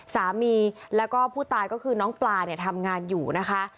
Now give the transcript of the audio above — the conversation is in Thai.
สามีแล้วก็ผู้ตายก็คือน้องปลาเนี่ยทำงานอยู่นะคะ